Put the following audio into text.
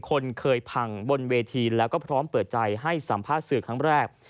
คนเคยพังบนเวทีแล้วก็พร้อมเปิดใจให้สัมภาษณ์สื่อครั้งแรก